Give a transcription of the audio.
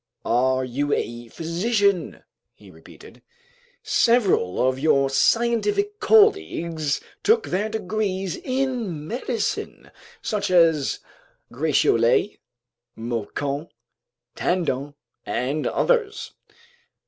"Are you a physician?" he repeated. "Several of your scientific colleagues took their degrees in medicine, such as Gratiolet, Moquin Tandon, and others."